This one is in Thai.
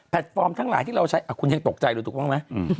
ฟอร์มทั้งหลายที่เราใช้คุณยังตกใจเลยถูกต้องไหม